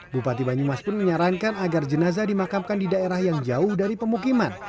bupati banyumas pun menyarankan agar jenazah dimakamkan di daerah yang jauh dari pemukiman